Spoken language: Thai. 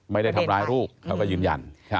ไม่ได้ทำร้ายลูกเขาก็ยืนยัน